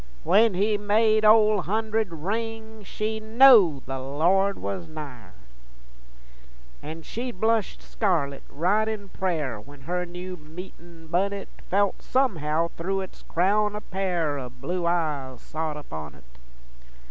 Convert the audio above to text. when he made Ole Hunderd ring, She knowed the Lord was nigher. An' she'd blush scarlit, right in prayer, When her new meetin' bunnet Felt somehow thru' its crown a pair O' blue eyes sot upon it.